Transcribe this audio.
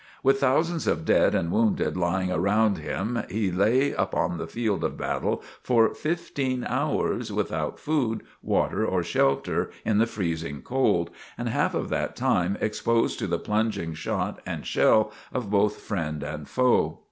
With thousands of dead and wounded lying about him, he lay upon the field of battle for fifteen hours, without food, water or shelter, in the freezing cold, and half of that time exposed to the plunging shot and shell of both friend and foe.